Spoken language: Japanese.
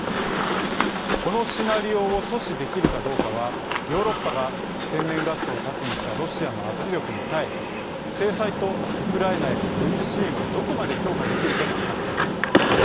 このシナリオを阻止できるかどうかはヨーロッパが天然ガスを盾にしたロシアの圧力に耐え制裁とウクライナへの軍事支援をどこまで強化できるかにかかっています。